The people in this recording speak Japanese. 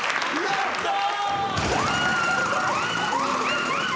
やった！